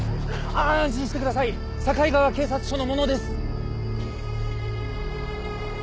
安心してください境川警察署の者です。